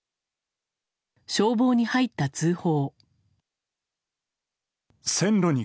消防に入った通報。